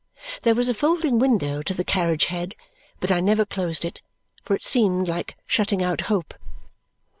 There was a folding window to the carriage head, but I never closed it, for it seemed like shutting out hope.